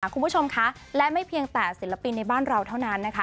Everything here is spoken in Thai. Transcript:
คุณผู้ชมคะและไม่เพียงแต่ศิลปินในบ้านเราเท่านั้นนะคะ